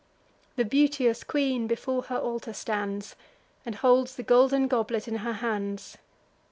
The beauteous queen before her altar stands, And holds the golden goblet in her hands.